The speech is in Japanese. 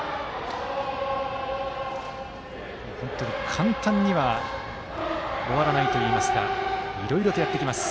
簡単には終わらないといいますかいろいろとやってきます。